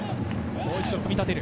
もう一度組み立てる。